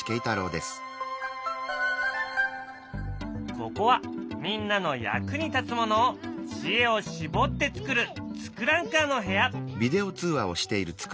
ここはみんなの役に立つものを知恵を絞って作る「ツクランカー」の部屋。